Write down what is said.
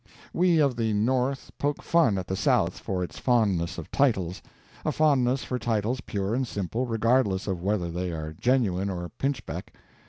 We of the North poke fun at the South for its fondness of titles a fondness for titles pure and simple, regardless of whether they are genuine or pinchbeck.